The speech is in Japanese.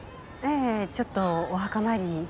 ええちょっとお墓参りに。